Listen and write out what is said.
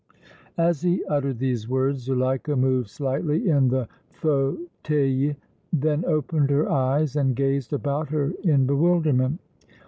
As he uttered these words Zuleika moved slightly in the fauteuil, then opened her eyes and gazed about her in bewilderment.